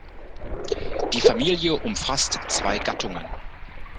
Die Familie umfasst zwei Gattungen.